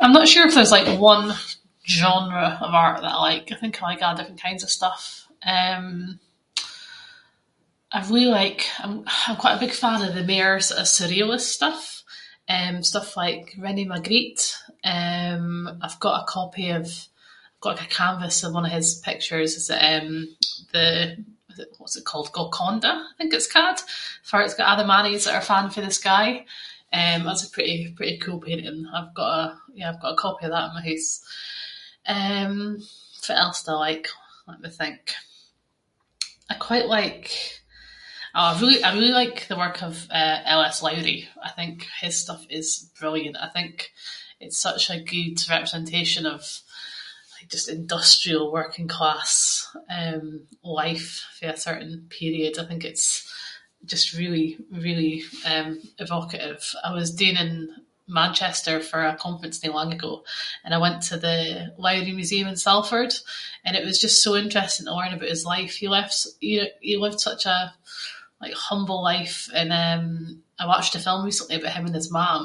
I’m not sure if there’s like one genre of art that I like. I think I like a’ different kinds of stuff. Eh I really like, I’m- I’m quite a big fan of the mair sort of surrealist stuff. Eh stuff like René Magritte. Eh, I’ve got a copy of- got like a canvas of one of his pictures, it’s eh the- the- what’s it called? Golconda, I think it’s ca’d? Farr it’s got all the mannies that are fa’ing fae the sky. Eh, that’s a pretty- pretty cool painting, I’ve got a- yeah, I’ve got a copy of that in my hoose. Eh, fitt else do I like? Let me think. I quite like- ah I really- I really like the work of eh L.S. Lowry. I think his stuff is brilliant. I think it’s such a good representation of like just industrial, working class, eh life fae a certain period. I think it’s just really, really eh evocative. I was staying in Manchester for a conference no long ago, and I went to the Lowry museum in Salford, and it was just so interesting to learn about his life. He lived- he lived such a like humble life and eh I watched a film recently about him and his mam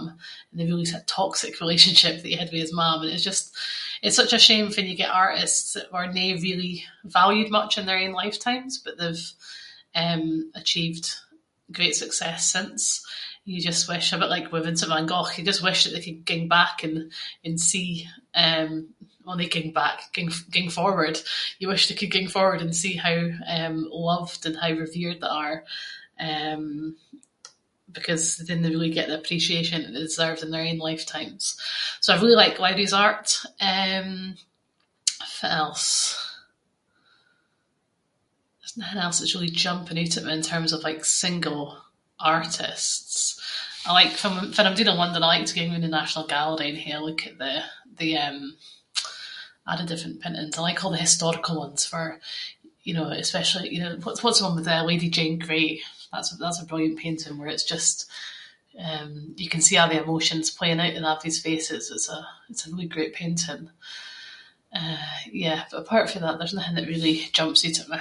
and it was a toxic relationship that he had with his mam and it’s just- it’s such a shame when you get artists that were no really valued much in their own lifetimes, but they’ve eh achieved great success since. You just wish, a bit like with Vincent Van Gough- you just wish that they could ging back and- and see eh- not they ging back- ging- ging forward- you wish they could ging forward and see how eh loved and how revered they are, eh because then they would really get the appreciation that they deserved in their own lifetimes. So, I really like Lowry’s art. Eh fitt else? There’s nothing else that’s really jumping oot at me in terms of like single artists. I like, fann- fann I’m doon in London I like to ging roond the National Gallery and hae a look at the- the eh- a’ the different paintings. I like the historical ones farr you know especially- you know- what’s the one with eh Lady Jane Grey? That’s- that’s a brilliant painting, where it’s just eh- you can see a' the emotions playing out on abody’s faces. It’s a- it’s a really great painting. Eh yeah, but apart fae that, there’s nothing that really jumps oot at me.